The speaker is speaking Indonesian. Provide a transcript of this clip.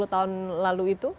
sepuluh tahun lalu itu